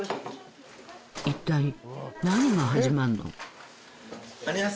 一体何が始まるの？